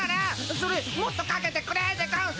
それもっとかけてくれでゴンス。